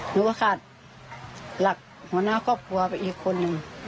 หนูก็ขาดหลักหัวหน้าครอบครัวไปอีกคนนึง